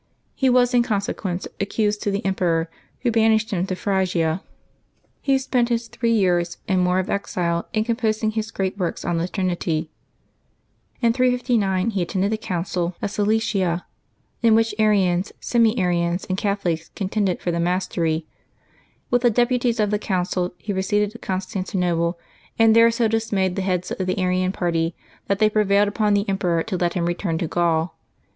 He was in consequence accused to the emperor, who banished him to Phrygia. He spent his three years and more of exile in composing his gi'eat works on the Trinity. In 359 he at tended the Council of Seleucia, in which Arians, semi Arians, and Catholics contended for the mastery. With the deputies of the council he proceeded to Constantinople, and there so dismayed the heads of the Arian party that they prevailed upon the emperor to let him return to Gaul.